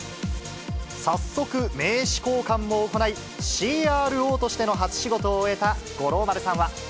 早速、名刺交換も行い、ＣＲＯとしての初仕事を終えた五郎丸さんは。